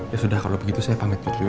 ya sudah kalau begitu saya pamit dulu ya